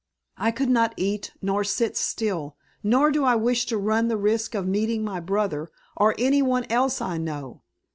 "I could not eat, nor sit still. Nor do I wish to run the risk of meeting my brother; or any one else I know.